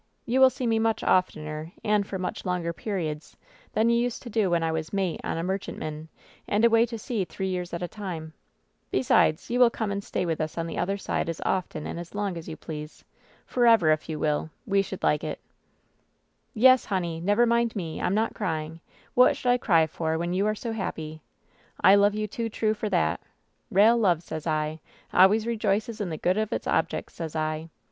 You will see me much oftener, and for much longer periods, than you used to do when I was mate on a merchantman and away to sea three years at a time. Besides, you will come and stay f ■ 4 ^•'■•.'■• r :. r^ cX '/ Ji. X. > \l v ■^ ..0. »v 1 V i,. 1,^ <>•''^" WHEN SHADOWS DIE 887 with us on the other side as often and as long as you please — forever, if you will. We should like it/' "Yes, honey! Never mind me! I'm not crying! What should I cry for, when you are so happy ? I love you too true for that ! Rale love, sez I, always rejoices in the good of its objects, sez I